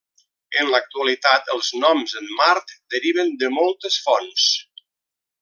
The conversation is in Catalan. En l'actualitat, els noms en Mart deriven de moltes fonts.